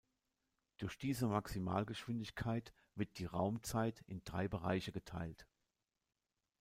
Durch diese Maximalgeschwindigkeit wird die Raumzeit in drei Bereiche geteilt.